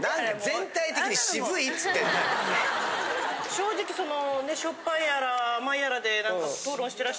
正直その。